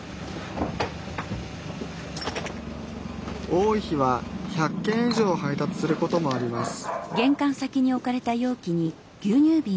多い日は１００件以上配達することもあります